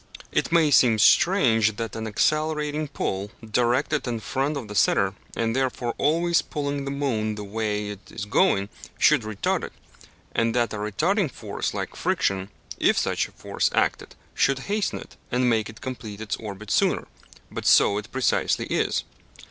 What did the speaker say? It may seem strange that an accelerating pull, directed in front of the centre, and therefore always pulling the moon the way it is going, should retard it; and that a retarding force like friction, if such a force acted, should hasten it, and make it complete its orbit sooner; but so it precisely is.